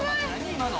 今の・